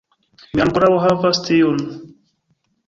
Mi ankoraŭ havas tiun